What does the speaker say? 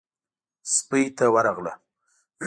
سپۍ ته ورغله.